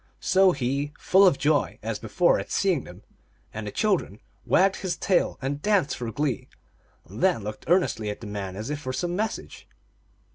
So he, full of joy, as before, at seeing them and the children, wagged his tail and danced for glee, and then looked earnestly at the man as if for some message.